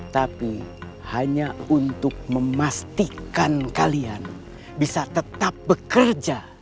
tapi hanya untuk memastikan kalian bisa tetap bekerja